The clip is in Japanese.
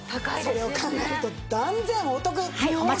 それを考えると断然お得！